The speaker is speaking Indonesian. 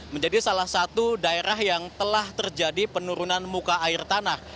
menjadi salah satu daerah yang telah terjadi penurunan muka air tanah